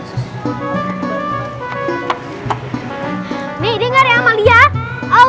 ya udah ibukala admire akar alia ola n destos kamu dari patricia because it's all